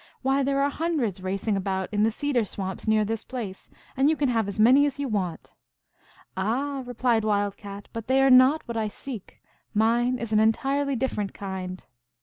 " Why, there are hundreds racing about in the cedar swamps near this place, and you can have as many as you want." " Ah !" replied Wild Cat, " but they are not what I seek. Mine is an entirely different kind."